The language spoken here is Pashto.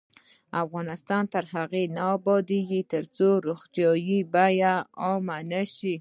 افغانستان تر هغو نه ابادیږي، ترڅو روغتیايي بیمه عامه نشي.